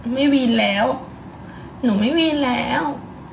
ไม่มีแล้วหนูไม่มีแล้ว